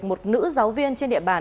một nữ giáo viên trên địa bàn